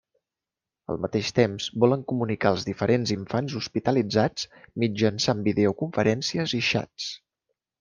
Al mateix temps volen comunicar els diferents infants hospitalitzats mitjançant videoconferències i xats.